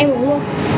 em uống luôn